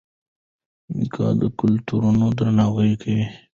میکا د کلتورونو درناوی کوي.